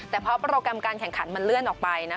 แต่เพราะโปรแกรมการแข่งขันมันเลื่อนออกไป